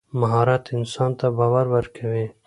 مهارت انسان ته باور ورکوي.